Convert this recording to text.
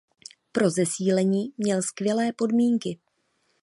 Pro zesílení měl skvělé podmínky.